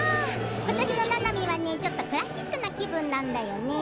今年のななみはちょっとクラシックな気分なんだよね。